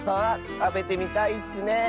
たべてみたいッスねえ！